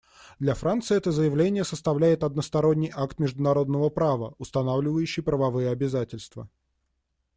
Для Франции это заявление составляет односторонний акт международного права, устанавливающий правовые обязательства.